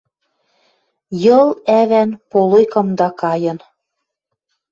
Йыл-ӓван полой кымда кайын